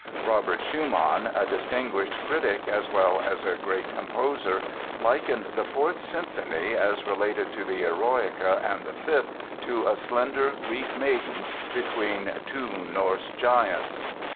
Robert Schumann, a distinguished critic as well as a great composer, likened the Fourth Symphony as related to the "Eroica" and the Fifth to "a slender Greek maiden between two Norse giants."